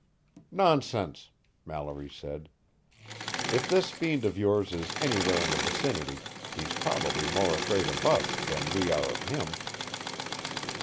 "Nonsense!" Mallory said. "If this fiend of yours is anywhere in the vicinity, he's probably more afraid of us than we are of him."